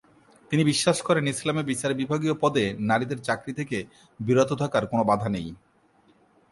তিনি বিশ্বাস করেন, "ইসলামে বিচার বিভাগীয় পদে নারীদের চাকরি থেকে বিরত থাকার কোন বাধা নেই"।